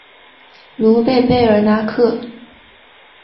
卢贝贝尔纳克。